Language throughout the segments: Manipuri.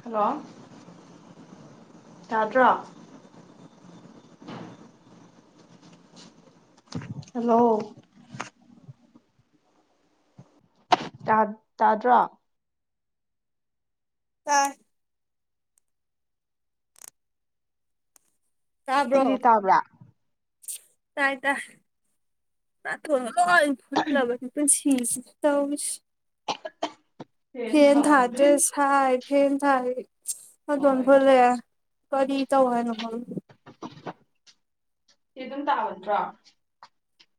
ꯍꯜꯂꯣ ꯌꯥꯗ꯭ꯔꯣ ꯍꯂꯣ ꯇꯥ ꯇꯥꯗ꯭ꯔꯣ ꯆꯔ ꯆꯨꯗꯤ ꯇꯥꯕ꯭ꯔꯣ ꯇꯥꯕ꯭ꯔꯥ ꯇꯥꯏ ꯇ ꯅ ꯋꯥꯝ ꯁꯂꯝ ꯇ ꯐ ꯇ ꯐꯦꯟ ꯍ ꯊꯥꯃꯟꯕꯩ ꯊꯥꯗ꯭ꯔꯦꯁ ꯍꯥꯏꯥꯏ ꯍ ꯊꯑ ꯑꯧ ꯑꯗꯨꯗꯣ ꯑꯩꯕ ꯐꯂꯦ ꯀꯔꯤ ꯇꯧ ꯍꯥꯏꯅ ꯃꯔ ꯑꯦ ꯗꯨꯝ ꯇꯥꯕꯅꯠꯗ꯭ꯔꯣ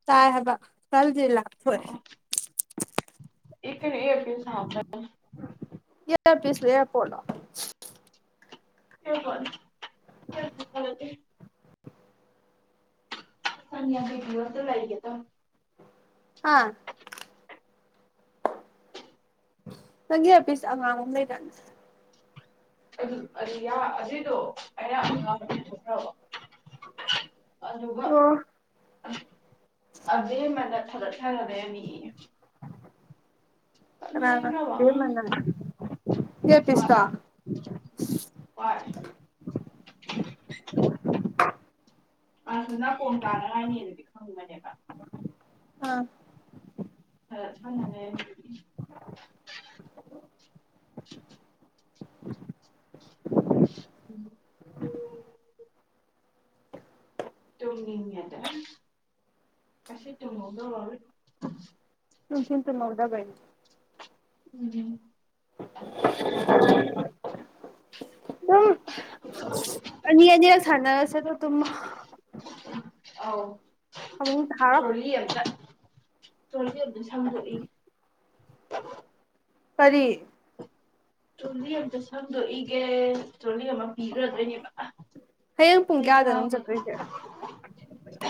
ꯇꯥꯏ ꯍꯥꯏꯕ ꯁꯜ ꯑꯣ ꯑꯣ ꯑꯦ ꯀꯔꯤ ꯏꯌꯥꯔꯇꯦꯜ ꯁꯥꯎ ꯀꯜ ꯏꯌꯥꯔꯄꯤꯁꯂꯣ ꯏꯌꯥꯔ ꯄꯣꯠꯂꯣ ꯏꯌꯥꯔꯄꯣꯠꯅꯤ ꯏꯌꯥꯔꯄꯤꯁꯀ ꯅꯠꯇꯦ [inaudible] ꯆꯅꯤꯌꯥꯡꯈꯩ ꯄꯤꯕ ꯑꯝꯇ ꯁꯩꯒꯦ ꯇꯧꯟ ꯍꯥꯥ ꯅꯪꯒꯤ ꯏꯌꯥꯔꯄꯤꯁ ꯑꯉꯥꯡꯕ ꯑꯝ ꯂꯩꯗ ꯑꯗꯨ ꯑꯗꯨ ꯌꯥ ꯑꯗꯨꯏꯗꯨ ꯑꯩꯅ ꯑꯉꯥꯡꯗ ꯄꯤꯊꯣꯛꯈ꯭ꯔꯕ ꯑꯗꯨꯒ ꯑꯣ ꯑꯗꯨꯏ ꯃꯅ ꯊꯒꯠ ꯁꯥꯅꯥ ꯂꯩꯔꯝꯃꯦꯌꯦ ꯀꯅꯥꯅꯥ ꯍꯦꯟꯒ꯭ꯔꯕ ꯑꯉꯥꯡ ꯑꯕꯦꯝꯃꯥꯅꯥ ꯏꯦꯌꯥꯔꯄꯤꯁ ꯇꯣ ꯍꯣꯏ ꯍꯣꯏ ꯑꯁꯨ ꯅꯀꯣꯡ ꯇꯥꯅꯉꯥꯏꯅꯤ ꯗꯨꯗꯤ ꯈꯪꯕꯅꯦꯕ ꯑꯥ ꯑꯗꯥ ꯁꯥꯟꯅꯥ ꯂꯩꯔꯝꯃꯦꯌꯦ ꯎꯝ ꯇꯨꯡꯅꯤꯡꯉꯦꯗ ꯑ ꯑꯁꯤ ꯊꯨꯝꯍꯧꯗꯕꯋꯤ ꯅꯨꯡꯊꯤꯟ ꯇꯨꯝꯍꯧꯗꯕꯩ ꯎꯝꯝ ꯅ ꯑꯅꯤ ꯑꯅꯤꯔꯛ ꯁꯥꯅꯥꯔꯁꯦ ꯑꯗ ꯇꯨꯝꯃ ꯑꯥꯎ ꯇ꯭ꯔꯣꯂꯤ ꯑꯝꯇ ꯆꯣꯔꯒꯦꯠ ꯁꯝꯗꯣꯛꯏ [unintelligible] ꯀꯔꯤ ꯇꯔꯣꯂꯤ ꯑꯝꯇ ꯁꯪꯗꯣꯛꯏꯒꯦ ꯇꯔꯣꯂꯤ ꯑꯃ ꯄꯤꯈ꯭ꯔꯗꯣꯏꯅꯦꯕ ꯄꯨꯡ ꯍꯌꯦꯡ ꯀꯌꯥꯗꯅꯣ ꯂꯥꯡꯄꯗ ꯆꯠꯇꯣꯏꯁꯦ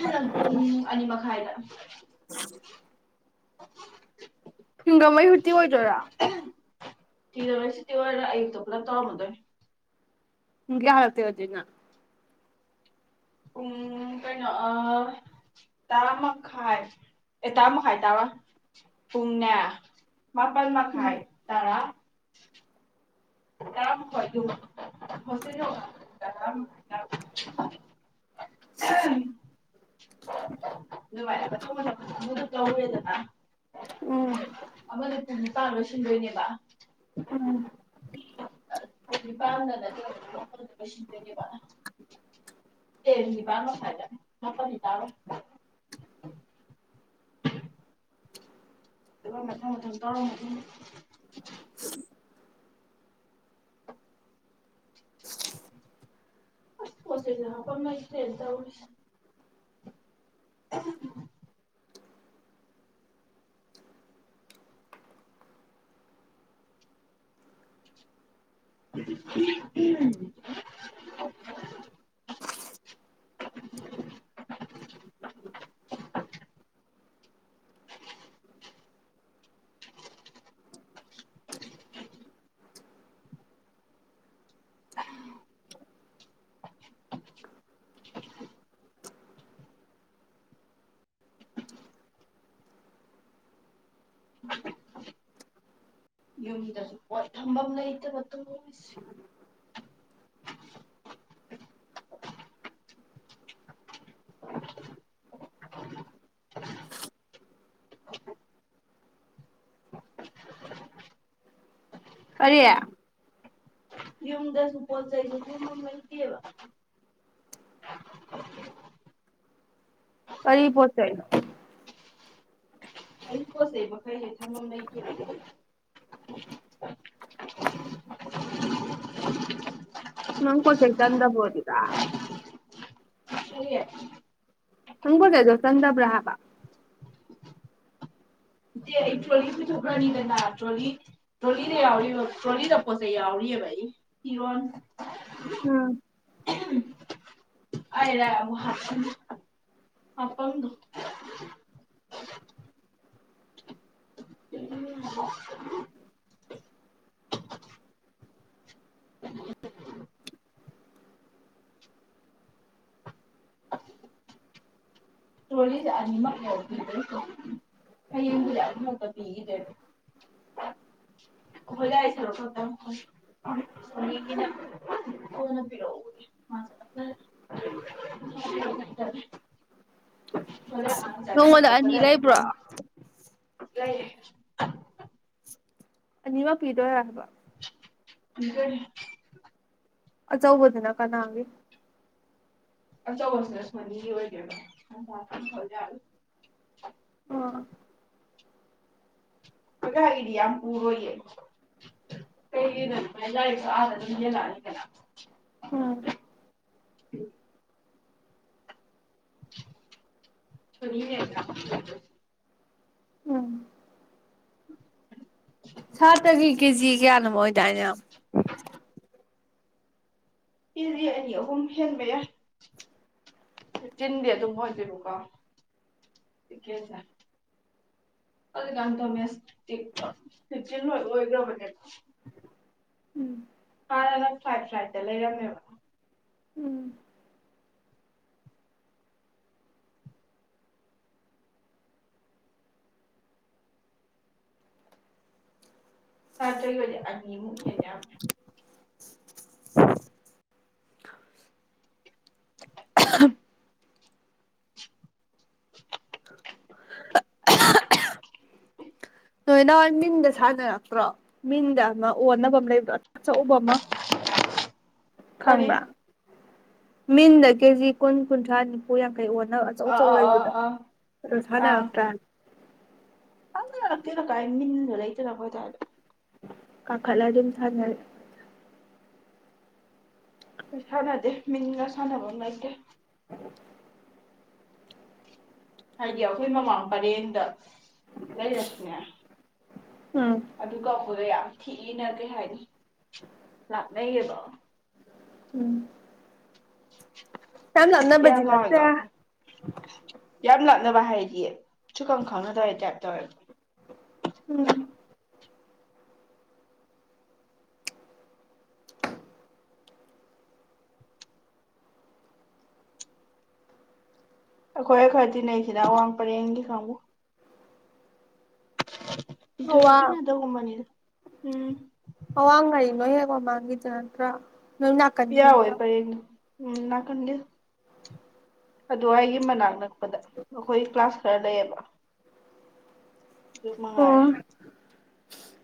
ꯅꯪ ꯄꯨꯡ ꯑꯅꯤ ꯃꯈꯥꯏꯗ [inaudible] [unintelligible] ꯍꯪꯒꯝꯃꯩ ꯍꯨꯔꯇꯤ ꯑꯣꯏꯗꯣꯔꯥ ꯊꯤꯔꯔꯣꯏ ꯁꯨꯇꯤ ꯑꯣꯏ ꯂ ꯑꯌꯨꯛꯇꯨ ꯄꯨꯂꯞ ꯇꯧꯔꯝꯃꯣꯗꯦꯏ ꯄꯨꯡ ꯀꯌꯥ ꯍꯂꯛꯇꯣꯏꯕ ꯑꯗꯣꯏ ꯅꯪ ꯄꯨꯡ ꯀꯩꯅꯣ ꯑ ꯇꯔꯥꯃꯥꯈꯥꯏ ꯑꯦ ꯇꯔꯥꯃꯈꯥꯏ ꯇꯔꯣꯏ ꯄꯨꯡꯅꯦ ꯃꯥꯄꯜ ꯃꯥꯈꯥꯏ ꯎꯝ ꯇꯔꯥ [unintelligible] [unintelligible] [unintelligible] ꯎꯝ ꯃꯅꯤꯄꯨꯔꯅꯤ ꯄꯥ ꯂꯣꯏ ꯁꯤꯟꯗꯣꯏꯅꯦꯕ ꯎꯝ ꯅꯤꯄꯥꯝꯗꯗꯤ ꯂꯟꯗꯣꯏ ꯅꯤꯄꯥꯥꯟꯗ [unintelligible] ꯃꯊꯪ ꯃꯊ ꯇꯧꯔ [unintelligible] [unintelligible] ꯁ ꯂꯩꯗ [unintelligible] ꯎ [unintelligible] ꯌꯨꯝꯗꯁꯨ ꯊꯝꯕꯝ ꯅꯇꯠꯇꯁ ꯑꯔꯤ ꯌꯨꯝꯗꯁꯨ ꯄꯣꯠ ꯆꯩꯩꯗꯨ ꯂꯩꯇꯦꯕ ꯀꯔꯤ ꯄꯣ ꯆꯩꯅꯤ ꯑꯩ ꯄꯣꯁꯦꯕꯈꯥꯏ ꯍꯦꯇꯝꯝ ꯂꯩ ꯀꯦ ꯅꯪ ꯀꯣꯆ ꯆꯟ ꯍꯗꯗ ꯁꯔꯤ ꯍꯪꯕꯨꯗꯦꯗꯣ ꯆꯟꯕ꯭ꯔ ꯍꯥꯕ ꯇ꯭ꯔꯣꯂꯤꯁꯨ ꯊ꯭ꯔꯥꯅꯤꯗ ꯇ꯭ꯔꯣꯂꯤ ꯇ꯭ꯔꯣꯂꯤꯗ ꯌꯥꯎꯔꯤ ꯇ꯭ꯔꯣꯂꯤꯗ ꯄꯣ ꯆꯩ ꯌꯥꯎꯔꯤ ꯀꯤꯔ ꯎꯝ ꯑꯗ ꯑꯄ [unintelligible] [unintelligible] ꯇ꯭ꯔꯣꯂꯤꯁꯦ ꯑꯅꯤꯃꯛ ꯌꯥꯗꯣꯏ ꯍꯌꯦꯡꯗꯨꯗꯤ ꯑꯗꯨꯃꯛꯇ ꯄꯤꯈꯤꯗꯣꯏ ꯑꯩꯈꯣꯏ ꯗꯥ ꯁꯔꯨꯛ ꯀꯅ ꯄꯤꯔꯛꯎꯁ [unintelligible] ꯐꯦ ꯆꯦ ꯅꯉꯣꯟꯗ ꯑꯗꯨ ꯑꯅꯤ ꯂꯩꯕ꯭ꯔꯣ ꯂꯩ ꯑꯅꯤꯃꯛ ꯄꯤꯗꯣꯏ ꯑꯕ [unintelligible] ꯑꯆꯧꯕꯗꯨꯅ ꯀꯅꯥꯒꯦ ꯑ ꯁꯅꯦꯁ ꯃꯅꯤ ꯑꯣꯏꯒꯦ ꯊ [unintelligible] ꯑ [unintelligible] ꯑꯩꯥꯏꯗꯤꯌꯥ ꯌꯥꯝ ꯄꯨꯔꯣꯏꯌꯦ ꯀꯩꯒꯤ ꯑꯥꯔ ꯑꯗꯨ ꯌꯦꯜꯂꯛꯑꯅꯤ ꯀꯅꯥ ꯎꯝ [unintelligible] ꯎꯝ ꯁꯥꯇ꯭ꯔꯒꯤ ꯀꯦꯖꯤ ꯀꯌꯥꯅꯣ ꯑꯣꯏꯗꯥꯏꯅꯦ ꯀꯦꯖꯤ ꯑꯅꯤ ꯑꯍꯨꯝ ꯍꯦꯟꯕ ꯌꯥꯏ ꯐꯤꯐꯇꯤꯟꯗꯤ ꯑꯗꯨꯝ ꯑꯣꯏꯗꯣꯏꯅꯀꯣ ꯇꯀꯦꯁꯦ ꯑꯗꯨꯀꯥꯟꯗꯦꯁ ꯐꯤꯇꯤꯟ ꯂꯣꯏ ꯑꯣꯏꯈ꯭ꯔꯕꯅꯦꯕ ꯎꯝ ꯍꯥꯂ ꯐ꯭ꯔꯥꯏ ꯐ꯭ꯔꯥꯏꯇ ꯂꯩꯔꯝꯃꯦꯕ ꯎꯝ [unintelligible] ꯅꯣꯏ ꯅ ꯍꯣꯏ ꯃꯤꯟꯗ ꯁꯥꯟꯅꯔꯛꯇ꯭ꯔꯣ ꯃꯤꯟꯗ ꯑꯃ ꯑꯣꯟꯅꯕ ꯑꯃ ꯂꯩꯕ꯭ꯔꯣ ꯑꯥꯛꯆꯎꯕ ꯑꯃ ꯀꯔꯤ ꯈꯪꯕ꯭ꯔꯥ ꯃꯤꯟꯗ ꯀꯦꯖꯤ ꯀꯨꯟ ꯀꯨꯟꯊ꯭ꯔꯥ ꯅꯤꯄꯨ ꯌꯥ ꯑꯣꯟꯅ ꯑꯆꯧ ꯑꯥ ꯑꯆꯧ ꯑꯥ ꯑꯥ ꯂꯩꯕꯗꯣ ꯑꯥ ꯑꯗꯨ ꯑꯥ ꯁꯥꯟꯅꯔꯛꯇ꯭ꯔꯥ [unintelligible] ꯀꯥꯏꯝ ꯃꯤꯟꯒ ꯂꯩꯇꯦꯗ ꯑꯈꯣꯏ ꯗꯥꯏꯗ ꯀꯥꯈꯠꯂ ꯑꯗꯨꯝ ꯊꯥꯅꯔꯤ ꯑꯈꯣꯏ ꯁꯥꯟꯅꯗꯦ ꯃꯤꯟꯒ ꯁꯥꯟꯅꯕꯝ ꯂꯩꯇꯦ [unintelligible] ꯍꯥꯏꯗꯤ ꯑꯩꯈꯣꯏ ꯃꯃꯥꯡ ꯄꯔꯦꯡꯗ ꯂꯩꯔꯁꯨꯅꯦ ꯎꯝ ꯑꯗꯨꯒꯄꯗ ꯌꯥꯝ ꯊꯤꯅ ꯀꯩ ꯍꯥꯏꯅꯤ ꯂꯥꯥꯛꯅꯩꯌꯦꯕ ꯎꯝ ꯌꯥꯝ ꯂꯥꯞꯅꯕꯗꯤ ꯌꯥꯝ ꯀꯥꯎꯋꯦꯀꯣ ꯅꯠꯇꯦ ꯑꯩꯈꯣꯏ ꯌꯥꯝ ꯂꯞꯅꯕ ꯍꯥꯏꯗꯤ ꯁꯨꯈꯪ ꯈꯪꯅꯗꯕꯩ ꯇꯥꯏꯞ ꯇꯧꯔꯦ ꯎꯝ ꯑꯈꯣꯏ ꯈꯔ ꯇꯤꯅꯩꯁꯤꯅ ꯑꯋꯥꯡ ꯄꯔꯦꯡꯒꯤ ꯀꯥꯡꯕꯨ ꯑꯗꯨꯁꯨ ꯑꯋꯥꯡ ꯊꯤꯅꯗ ꯒꯨꯝꯕꯅꯤꯗ ꯎꯝ ꯑꯋꯥꯡꯉꯥꯏ ꯂꯣꯏ ꯍꯦꯛ ꯃꯃꯥꯡꯈꯤꯗ ꯅꯠꯇ꯭ꯔꯥ ꯅꯣꯏ ꯅꯥꯀꯟꯒꯤ ꯄꯤꯌꯥ ꯍꯣꯏ ꯅꯠꯇ꯭ꯔꯥ ꯄꯔꯦꯡꯗꯣ ꯎꯝ ꯅꯥꯀꯟꯒꯤ ꯑꯗꯨ ꯑꯩꯒꯤ ꯃꯅꯥꯛꯅ ꯃꯈꯣꯏ ꯀ꯭ꯂꯥꯁ ꯈꯔ ꯂꯩꯌꯦꯕ ꯗꯨ ꯑꯣ ꯃꯉꯥꯏꯔꯦ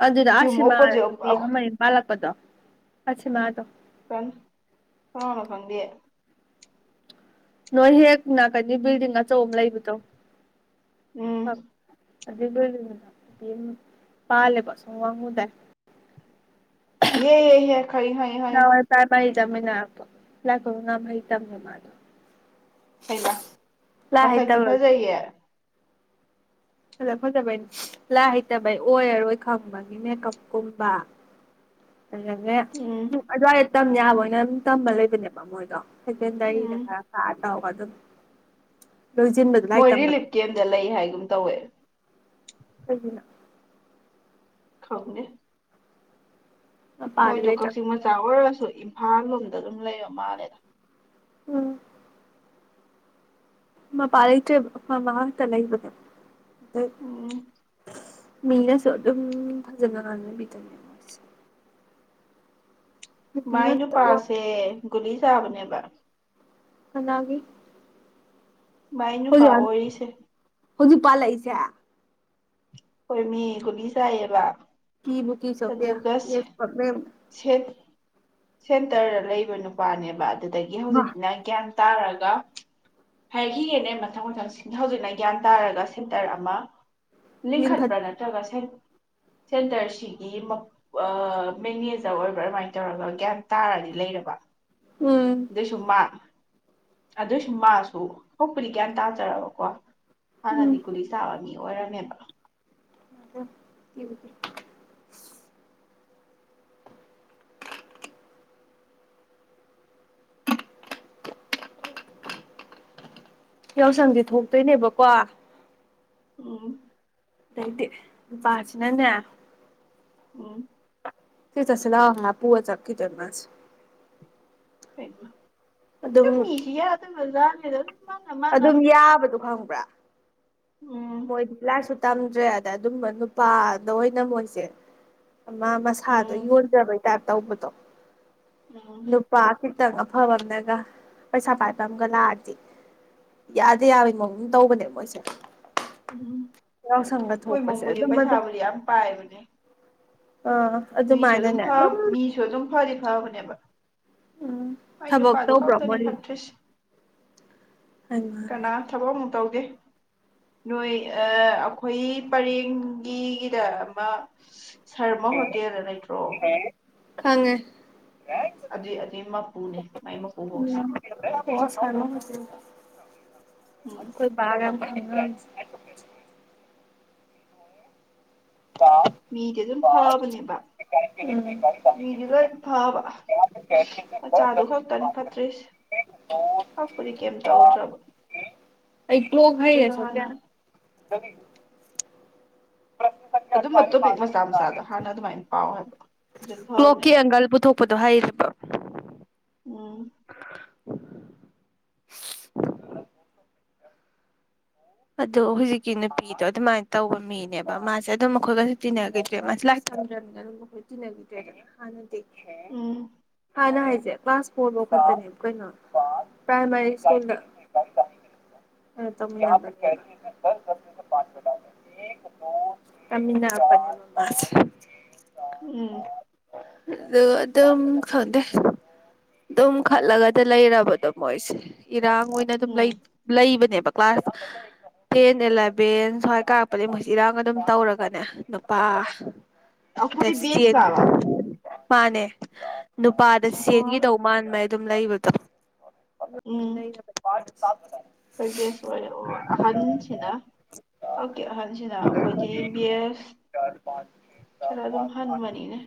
ꯑꯗꯨꯗ ꯌꯨꯝ ꯑꯁꯤꯃꯥ ꯑꯣꯄꯣꯖꯤꯠ ꯅꯨꯄꯤ ꯑꯃ ꯃꯌꯨꯝ ꯄꯥꯜꯂꯛꯄꯗꯣ ꯑꯁꯤꯃꯥꯗꯣ ꯀꯟ ꯀꯥꯅꯥꯅꯣ ꯈꯪꯗꯦ ꯅꯣꯏ ꯍꯦꯛ ꯅꯥꯀꯟꯗꯤ ꯕꯤꯜꯗꯤꯡ ꯑꯆꯧ ꯑꯃ ꯂꯩꯕꯗꯣ ꯎꯝ ꯑꯗꯨꯗ [unintelligible] ꯄꯥꯜꯂꯦꯕ ꯑꯁꯣꯝ ꯋꯥꯉꯨꯗꯩ ꯌꯦ ꯌꯦ ꯌꯥ ꯈꯪꯉꯤ ꯈꯪꯉꯤ ꯈꯪꯉꯤ [unintelligible] ꯍꯩꯃ ꯂꯥꯏ ꯃꯁꯛꯇꯤ ꯍꯩꯇꯕꯒꯤ ꯐꯖꯩꯌꯦ ꯐꯖ ꯐꯖꯕꯩ ꯂꯥꯏ ꯍꯩꯇꯕꯩ ꯑꯣꯏꯔꯔꯣꯏ ꯈꯪꯕꯒꯤ ꯃꯦꯀꯞ ꯀꯨꯝꯕ ꯑꯗꯒꯤ ꯎꯝ ꯑꯗꯩꯝ ꯑꯗ꯭ꯋꯥꯏ ꯇꯝ ꯌꯥꯕ ꯑꯣꯏꯅ ꯑꯗꯨꯝ ꯇꯝꯕ ꯂꯩꯕꯅꯦꯕ ꯃꯣꯏꯗꯣ ꯁꯦꯀꯦꯟꯗꯔꯤ ꯎꯝ [unintelligible] [unintelligible] ꯑꯗꯨ ꯃꯣꯏ ꯔꯤꯂꯤꯐ ꯀꯦꯝꯗ ꯂꯩ ꯍꯥꯏꯒꯨꯝ ꯇꯧꯋꯦ ꯀꯩꯒꯤꯅꯣ ꯈꯪꯗꯦ ꯃꯄꯥꯗꯤ ꯃꯣꯏꯗꯨ ꯂꯩꯇ꯭ꯔ ꯀꯛꯆꯤꯡ ꯃꯆꯥ ꯑꯣꯏꯔ ꯁꯨ ꯏꯝꯐꯥꯜ ꯂꯣꯝꯗ ꯑꯗꯨꯝ ꯂꯩꯔ ꯃꯥꯜꯂꯦꯗ ꯎꯝ ꯃꯄꯥ ꯂꯩꯇ꯭ꯔꯦꯕ ꯃꯃꯥꯒ ꯈꯛꯇ ꯂꯩꯕꯅꯦꯕ ꯎꯝ [unintelligible] ꯃꯤꯅꯁꯨ ꯑꯗꯨꯝ ꯐꯖꯅ ꯉꯥꯡꯅꯕꯤꯗꯝꯅꯦ ꯃꯣꯏꯁꯦ ꯅꯨꯄꯤ ꯃꯥꯏ ꯉꯥꯛꯇ ꯑꯣꯏ ꯅꯨꯄꯥꯁꯦ ꯒꯨꯂꯤ ꯆꯥꯕꯅꯦꯕ ꯀꯅꯥꯒꯤ ꯃꯥꯏ ꯅꯨꯄꯥ ꯍꯧꯖꯤꯛꯀꯥꯟ ꯑꯣꯏꯔꯤꯁꯦ ꯍꯧꯖꯤꯛ ꯄꯥꯜꯂꯛꯏꯁꯦ ꯍꯣꯏ ꯃꯤ ꯒꯨꯂꯤ ꯆꯥꯏꯌꯦꯕ ꯀꯤꯕꯨꯀꯤ ꯁꯣꯐꯤꯌꯥ ꯑꯗꯨꯒ ꯑꯦꯠꯁ ꯄꯛ ꯂꯩꯔꯝꯗ ꯁꯦꯟꯇꯔ ꯂꯩꯕ ꯅꯨꯄꯥꯅꯦꯕꯥ ꯑꯗꯒꯤ ꯃꯥ ꯍꯧꯖꯤꯛꯅ ꯒ꯭ꯌꯥꯟ ꯇꯥꯔꯒ ꯍꯥꯏꯈꯤꯒꯦꯅꯦ ꯃꯊꯪ ꯃꯊꯪ ꯁꯤꯁꯤꯡ ꯍꯧꯖꯤꯛꯅ ꯒ꯭ꯌꯥꯟ ꯇꯥꯔꯒ ꯁꯦꯟꯇꯔ ꯑꯃ ꯂꯤꯡꯈꯠ ꯂꯤꯈꯠꯄ ꯅꯇꯔ꯭ꯒ ꯆꯟꯗꯔꯁꯤ ꯃꯦꯅꯦꯖꯔ ꯑꯣꯏꯕ꯭ꯔꯥ ꯑꯗꯨꯃꯥꯏꯅ ꯇꯧꯔꯒ ꯒ꯭ꯌꯥ ꯇꯥꯔꯗꯤ ꯂꯩꯔꯕ ꯎꯝ ꯏ ꯁꯨꯝꯃ ꯑꯗꯨꯏꯁꯨ ꯃꯥꯁꯨ ꯍꯣꯛꯄꯗꯤ ꯒ꯭ꯌꯥꯟ ꯇꯥꯖꯔꯕꯀꯣ ꯍꯅꯗꯤ ꯎꯝ ꯀꯨꯂꯤꯁꯕ ꯑꯣꯏꯔꯝꯃꯦꯕ ꯑꯗꯣ ꯌꯥꯎꯁꯪꯗꯤ ꯊꯣꯛꯇꯣꯏꯅꯦꯕꯀꯣ ꯎꯝ ꯦꯇꯦ ꯄꯥꯆꯅꯅ ꯎꯝ ꯁꯤ ꯆ ꯁꯂ ꯍꯥꯄꯑꯣ ꯆꯀꯤꯆꯟꯃꯁ ꯐ ꯃꯤꯁꯤ ꯌꯥꯗ ꯃꯖꯥ ꯍꯗꯣ ꯑꯗꯨꯝ ꯌꯥꯕꯗꯣ ꯈꯪꯉ ꯄꯨ꯭ꯔ ꯎꯝ ꯃꯣꯏ ꯂꯥꯁ ꯇꯝꯗ꯭ꯔꯦ ꯑꯗ ꯑꯗꯨꯝꯕ ꯅꯨꯄꯥꯗ ꯑꯣꯏꯅ ꯃꯣꯏꯁꯦ ꯑꯃ ꯃꯁꯥꯗꯣ ꯎꯝ ꯌꯣꯟꯖꯕꯩꯇꯥꯥꯏꯞ ꯇꯧꯕꯗꯣ ꯎꯝ ꯅꯨꯄꯥꯁꯤ ꯈꯤꯇꯪ ꯑꯐꯕ ꯑꯃꯅꯒ ꯄꯩꯁꯥ ꯄꯥꯏꯕ ꯑꯃꯒ ꯂꯥꯛꯑꯗꯤ ꯌꯥꯗ ꯌꯥꯕꯒꯤ ꯃꯑꯣꯡ ꯇꯧꯕꯅꯦ ꯃꯣꯏꯁꯦ ꯎꯝ ꯌꯥꯎꯁꯪꯒ ꯍꯣꯏ ꯊꯣꯛꯄꯁꯦ ꯏꯃꯨꯡꯕꯨꯗꯤ ꯑꯗꯨꯝ ꯑꯗꯨꯝ ꯄꯩꯁꯥꯕꯨꯗꯤ ꯌꯥꯝ ꯄꯥꯏꯕꯅꯦ ꯑꯥ ꯃꯤꯁꯨ ꯑꯗꯨꯝ ꯑꯗꯨꯃꯥꯏꯅꯅꯦ ꯐ ꯃꯤꯁꯨ ꯑꯗꯨꯝ ꯐꯔꯤ ꯐꯥꯕꯅꯦ ꯕ ꯎꯝ ꯍꯣꯏ ꯊꯕꯛ ꯅꯨꯄꯥꯗꯨ ꯇꯧꯕ꯭ꯔꯣ ꯈꯛꯇꯅꯤ ꯃꯣꯏ ꯐꯠꯇ꯭ꯔꯔꯤꯁ ꯍꯩꯃꯥ ꯀꯅꯥ ꯍꯩꯃꯥ ꯊꯕꯣ ꯇꯧꯗꯦ ꯅꯣꯏ ꯑꯩꯈꯣꯏ ꯄꯔꯦꯡꯒꯤꯗ ꯑꯃ ꯁꯔꯃ ꯍꯣꯇꯦꯜ ꯅꯥ ꯂꯩꯇ꯭ꯔꯣ ꯈꯪꯉꯦ ꯑꯗꯨꯏ ꯑꯗꯨꯏ ꯃꯄꯨꯅꯦ ꯃꯥꯏ ꯃꯄꯨꯕꯣꯛꯁꯦ ꯎꯝ ꯑꯦꯁ ꯀꯅ [unintelligible] ꯎꯝ ꯀꯣꯏ ꯒ ꯑꯃ ꯍ ꯃꯤꯗꯤ ꯑꯗꯨꯝ ꯐꯕꯅꯦꯕ ꯈꯪꯅꯕꯅꯦ ꯎꯝ ꯃꯤꯗꯤ ꯂꯣꯏ ꯐꯕ ꯃꯆꯥꯗꯨ ꯈꯛꯇꯅꯤ ꯐꯠꯇ꯭ꯔꯤꯁ ꯐꯛꯄꯨꯗꯤ ꯀꯩꯝ ꯇꯧꯗ꯭ꯔꯕ ꯑꯩ ꯄ꯭ꯂꯣꯒ ꯍꯥꯏꯩꯔꯦ ꯑꯗꯨꯏꯁꯨ ꯁꯣꯐꯤꯌꯥ ꯍꯥꯟꯅ ꯉ [unintelligible] ꯑꯗꯨꯝꯕ ꯇꯣꯄꯤꯛ ꯃꯆꯥ ꯃꯆꯥꯗꯣ ꯍꯥꯟꯅ ꯑꯗꯨꯃꯥꯏꯅ ꯄꯥꯎꯋꯦꯕ ꯑꯗꯨ ꯀ꯭ꯂꯣꯛꯀꯤ ꯐꯥꯎꯕꯅꯦꯕ ꯑꯦꯡꯒꯜ ꯄꯨꯊꯣꯛꯄꯗꯣ ꯍꯩꯔꯦꯕ ꯎꯝ [unintelligible] ꯑꯗꯣ ꯍꯧꯖꯤꯛꯀꯤ ꯅꯨꯄꯤꯗꯣ ꯑꯗꯨꯃꯥꯏꯅ ꯇꯧꯕ ꯃꯤꯅꯦꯕ ꯃꯥꯁꯦ ꯑꯗꯨꯝ ꯃꯈꯣꯏꯒꯁꯨ ꯇꯤꯟꯅꯈꯤꯗ꯭ꯔꯦ ꯃꯥꯁꯦ ꯂꯥꯏꯁꯝꯗ꯭ꯔꯕꯅꯤꯅ ꯑꯗꯨꯝ ꯃꯈꯣꯏ ꯇꯤꯟꯅꯈꯤꯗ꯭ꯔꯦ ꯑꯗꯨ ꯍꯥꯟꯅꯗꯤ ꯎꯝ ꯍꯥꯟꯅ ꯍꯥꯏ ꯀ꯭ꯂꯥꯁ ꯐꯣꯔ ꯐꯥꯎ ꯈꯛꯇꯅꯦꯕ ꯀꯩꯅꯣ ꯄ꯭ꯔꯥꯏꯃꯥꯔꯤ ꯁꯀꯨꯜꯗ ꯇ [unintelligible] ꯎꯝ ꯑꯗꯨ ꯑꯗꯨꯝ ꯈꯪꯗꯦ ꯑꯗꯨꯝ ꯈꯠꯂꯒꯗꯤ ꯂꯩꯔꯕꯗꯣ ꯃꯣꯏꯁꯦ ꯏꯔꯥꯡ ꯑꯣꯏꯅ ꯑꯗꯨꯝ ꯎꯝ ꯂꯩ ꯂꯩꯕꯅꯦꯕ ꯀ꯭ꯂꯥꯁ ꯇꯦꯟ ꯑꯦꯂꯚꯦꯟ ꯁ꯭ꯋꯥꯏ ꯀꯥꯔꯛꯄꯗꯒꯤ ꯃꯣꯏꯁꯤ ꯏꯔꯥꯡ ꯑꯗꯨꯝ ꯇꯧꯔꯒꯅꯦ ꯅꯨꯄꯥ ꯑꯩꯈꯣꯏ ꯕꯦꯁ ꯆꯦꯟ ꯂꯥꯕ ꯃꯥꯅꯦ ꯅꯨꯄꯥꯗ ꯑꯣꯍꯣ ꯆꯦꯟꯈꯤꯗꯧ ꯃꯥꯟꯕ ꯍꯥꯏ ꯑꯗꯨꯝ ꯂꯩꯕꯗ ꯎꯝ ꯐꯣꯏ ꯀꯁꯋꯥꯏ ꯑꯍꯟꯁꯤꯅ ꯑꯣꯀꯦ ꯑꯍꯟꯁꯤꯅ ꯑꯩꯈꯣꯏꯗꯤ ꯕꯁ ꯈꯔ ꯑꯗꯨꯝ ꯍꯟꯕꯅꯤꯅꯦ